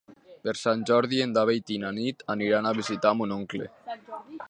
Per Sant Jordi en David i na Nit aniran a visitar mon oncle.